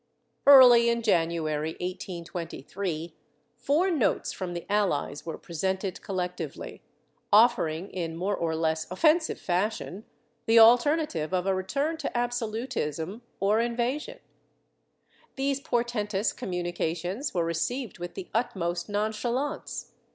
^ Early in January, 1823, four notes from the Allies were presented collectively, offering, in more or less offensive fashion, the alter native of a return to absolutism or invasion.^ These portentous communications were received with the utmost nonchalance.